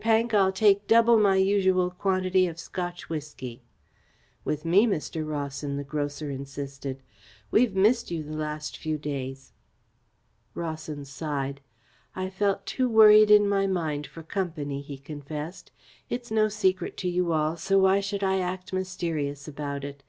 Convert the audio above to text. Pank, I'll take double my usual quantity of Scotch whisky." "With me, Mr. Rawson," the grocer insisted. "We've missed you the last few days." Rawson sighed. "I felt too worried in my mind for company," he confessed. "It's no secret to you all, so why should I act mysterious about it.